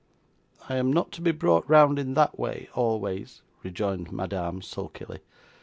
'I am not to be brought round in that way, always,' rejoined Madame, sulkily.